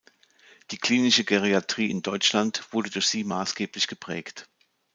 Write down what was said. Die klinische Geriatrie in Deutschland wurde durch sie maßgeblich geprägt.